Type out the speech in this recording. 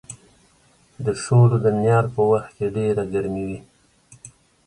د شولو د نیال په وخت کې ډېره ګرمي وي.